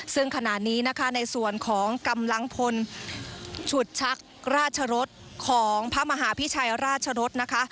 ซึ่งขณะนี้นะคะในส่วนของกำลังพลฉุดชักราชรสของพระมหาพิชัยราชรสนะคะ